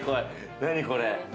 何これ？